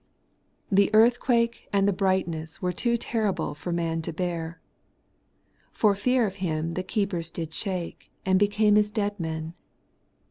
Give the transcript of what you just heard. The earthquake and the brightness were too ter rible for man to bear. ' For fear of him, the keepers did shake, and became as dead men.'